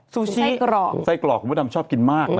ซูชิกรอกไส้กรอกคุณพระดำชอบกินมาก